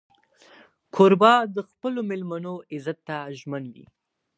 کوربه د خپلو مېلمنو عزت ته ژمن وي.